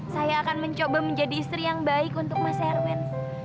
saya akan mencoba menjadi istri yang baik untuk mas erwin